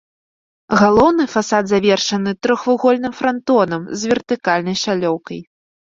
Галоўны фасад завершаны трохвугольным франтонам з вертыкальнай шалёўкай.